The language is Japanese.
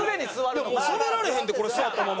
もうしゃべられへんでこれ座ったまま。